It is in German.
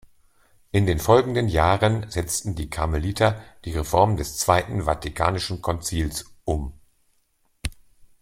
In den folgenden Jahren setzten die Karmeliter die Reformen des Zweiten Vatikanischen Konzils um.